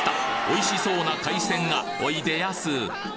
おいしそうな海鮮がおいでやす